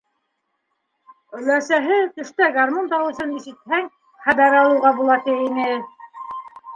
Өләсәһе, төштә гармун тауышын ишетһәң, хәбәр алыуға була, ти ине.